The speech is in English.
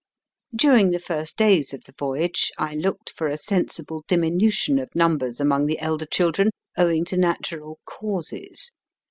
During the first days of the voyage I looked for a sensible diminution of numbers among the elder children owing to natural causes.